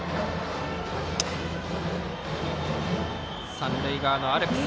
三塁側のアルプス。